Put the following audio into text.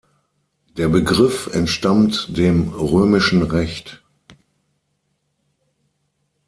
Der Begriff entstammt dem römischen Recht.